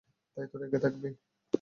তা তো রেগে থাকবেই।